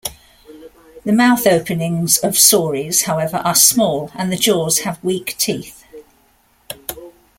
The mouth openings of sauries, however, are small and the jaws have weak teeth.